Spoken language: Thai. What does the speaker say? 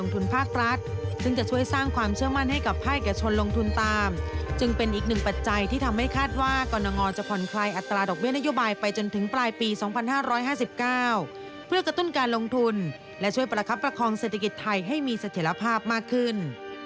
แต่ความหวังที่จะช่วยกระตุ้น